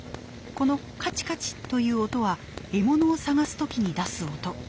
この「カチカチ」という音は獲物を探す時に出す音。